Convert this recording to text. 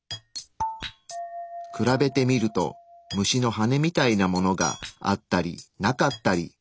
比べてみると虫の羽みたいなものがあったりなかったり。